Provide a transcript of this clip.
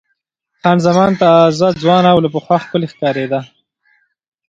خان زمان تازه، ځوانه او له پخوا ښکلې ښکارېده.